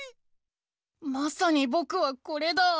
まさにぼくはこれだ。